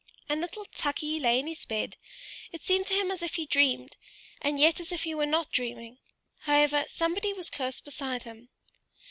And little Tukey lay in his bed: it seemed to him as if he dreamed, and yet as if he were not dreaming; however, somebody was close beside him.